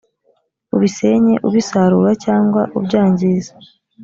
ubisenye ubisarura cyangwa ubyangiza .